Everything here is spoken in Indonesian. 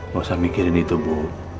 bukan mikirin itu bu